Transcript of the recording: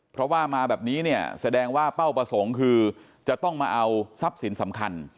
เพราะว่ามาแบบนี้เนี่ยแสดงว่าเป้าประสงค์คือจะต้องมาเอาทรัพย์สินสำคัญ